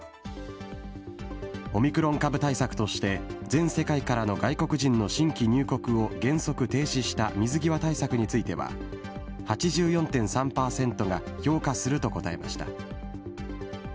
オミクロン株対策として、全世界からの外国人の新規入国を原則停止した水際対策については、８４．３％が評価すると答えました。